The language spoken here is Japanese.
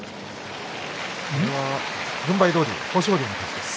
軍配どおり豊昇龍の勝ちとします。